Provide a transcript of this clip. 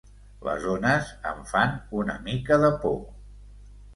Les ones em fan una mica de por.